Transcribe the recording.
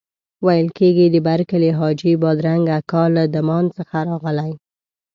ویل کېږي د برکلي حاجي بادرنګ اکا له دمان څخه راغلی.